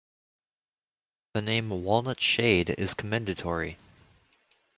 The name "Walnut Shade" is commendatory.